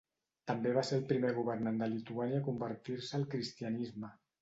També va ser el primer governant de Lituània a convertir-se al cristianisme.